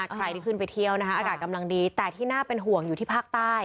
ใครที่ขึ้นไปเที่ยวนะคะอากาศกำลังดีแต่ที่น่าเป็นห่วงอยู่ที่ภาคใต้